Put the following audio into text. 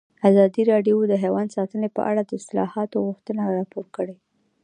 ازادي راډیو د حیوان ساتنه په اړه د اصلاحاتو غوښتنې راپور کړې.